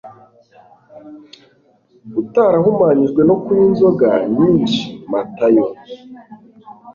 utarahumanyijwe no kunywa inzoga nyinshi Matayo